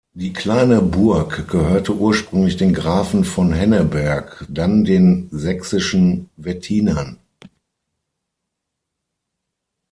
Die kleine Burg gehörte ursprünglich den Grafen von Henneberg, dann den sächsischen Wettinern.